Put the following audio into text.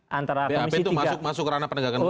bap itu masuk masuk ranah penegakan hukum